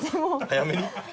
早めに？